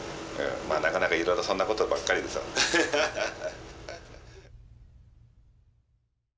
まあなかなかいろいろそんなことばっかりですよ。